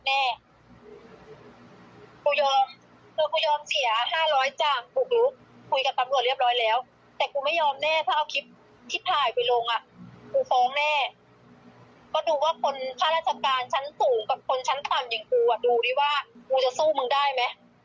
คนชั้นต่ำอย่างกูดูดิว่ากูจะสู้มึงได้ไหม